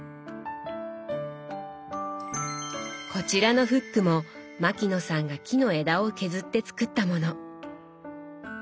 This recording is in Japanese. こちらのフックも牧野さんが木の枝を削って作ったもの。